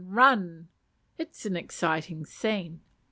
run! It was an exciting scene.